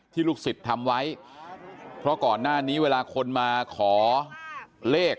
ลูกศิษย์ทำไว้เพราะก่อนหน้านี้เวลาคนมาขอเลข